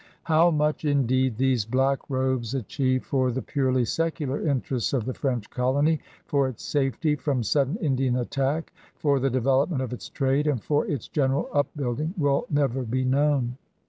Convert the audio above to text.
How much, indeed, these blackrobes achieved for the purely secular interests of the French colony, for its safety from sudden Indian attack, for the development of its trade, and for its general upbuilding, will never be known.